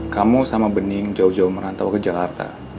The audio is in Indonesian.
kamu sama bening jauh jauh merantau ke jakarta